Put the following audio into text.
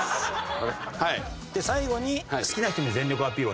で最後に「好きな人に全力アピール」